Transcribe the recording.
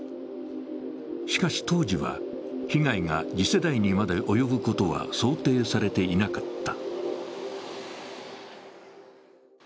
しかし当時は、被害が次世代にまで及ぶことは想定されていなかった。